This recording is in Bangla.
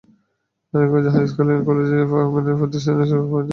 নারায়ণগঞ্জ হাইস্কুল অ্যান্ড কলেজ প্রাঙ্গণে অনুষ্ঠান শুরু হবে সন্ধ্যা সাড়ে সাতটায়।